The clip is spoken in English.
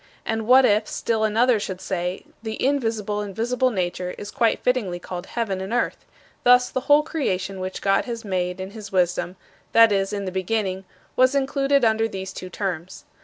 And what if still another should say: "The invisible and visible nature is quite fittingly called heaven and earth. Thus, the whole creation which God has made in his wisdom that is, in the beginning was included under these two terms.